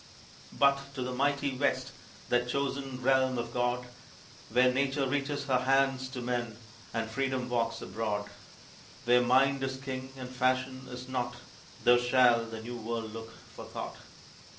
But to the mighty West, That chosen realm of God, Where Nature reaches her hands to men, And Freedom walks abroad Where mind is King, and fashion is naught: There shall the New World look for thought.